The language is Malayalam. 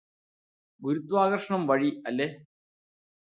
ഗുരുത്വാകര്ഷണം വഴി അല്ലെ